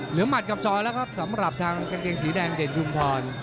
หมัดกับซอยแล้วครับสำหรับทางกางเกงสีแดงเด่นชุมพร